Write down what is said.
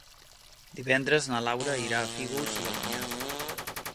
Divendres na Laura irà a Fígols i Alinyà.